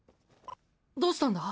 どうしたんだ？